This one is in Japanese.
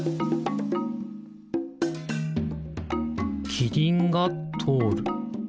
キリンがとおる。